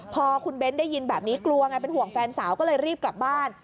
พอคุณเบ้นได้ยินแบบนี้กลัวไงเป็นห่วงแฟนสาวก็เลยรีบกลับบ้าน